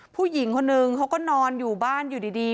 ผู้หญิงคนนึงเขาก็นอนอยู่บ้านอยู่ดี